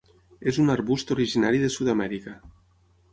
És un arbust originari de Sud-amèrica.